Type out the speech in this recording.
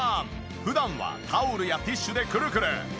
普段はタオルやティッシュでくるくる。